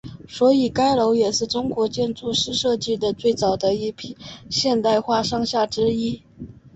所以该楼也是中国建筑师设计的最早的一批现代化商厦之一。